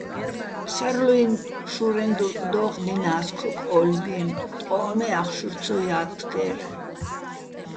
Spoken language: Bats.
ფსარლუ́ჲნი შურეჼ დურკ დო́ღდინა́ს ქოკ ო́ლლბიენო̆, ტყოჸ მე́, ახ შურ ცო ჲათთგერ.